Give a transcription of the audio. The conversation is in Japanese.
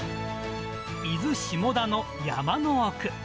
伊豆・下田の山の奥。